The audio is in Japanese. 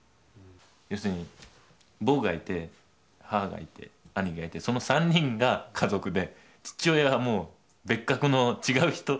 要するに僕がいて母がいて兄がいてその３人が家族で父親はもう別格の違う人。